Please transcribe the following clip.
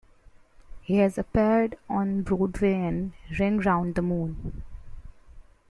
He has appeared on Broadway in "Ring Round the Moon".